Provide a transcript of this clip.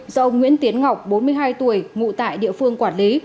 do ông nguyễn tiến ngọc bốn mươi hai tuổi ngụ tại địa phương quản lý